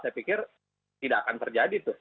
saya pikir tidak akan terjadi tuh